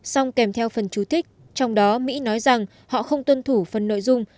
song kèm theo phần chú thích trong đó mỹ nói rằng họ không tuân thủ phần nội dung